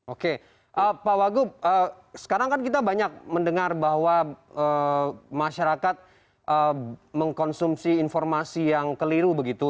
oke pak wagub sekarang kan kita banyak mendengar bahwa masyarakat mengkonsumsi informasi yang keliru begitu